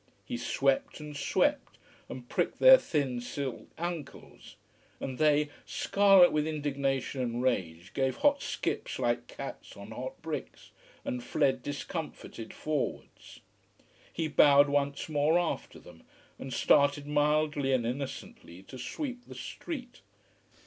He swept and swept and pricked their thin silk ankles. And they, scarlet with indignation and rage, gave hot skips like cats on hot bricks, and fled discomfited forwards. He bowed once more after them, and started mildly and innocently to sweep the street.